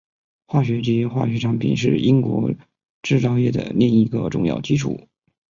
化学及化学产品是英国制造业的另一个重要基础。